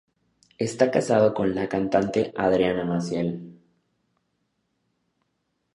Esta casado con la cantante Adriana Maciel.